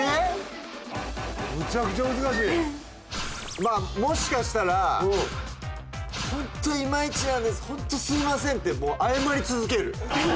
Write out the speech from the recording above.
まあもしかしたら本当いまいちなんです本当すいませんってもう謝り続ける。